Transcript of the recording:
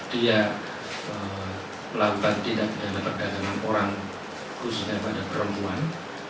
tidak ada yang menangkap orang khusus daripada perempuan